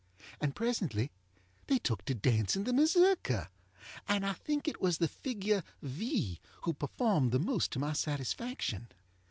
And presently they took to dancing the Mazurka, and I think it was the figure V. who performed the most to my satisfaction.